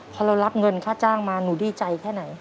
พอเรารับเงินค่าจ้างมาหนูดีใจแค่ไหน